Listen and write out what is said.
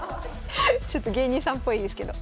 ちょっと芸人さんぽいですけど。